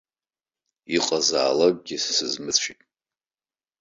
Иҟазаалакгьы, сызмыцәеит.